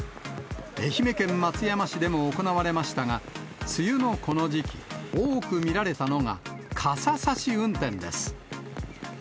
愛媛県松山市でも行われましたが、梅雨のこの時期、多く見られたのが、傘差し運転です。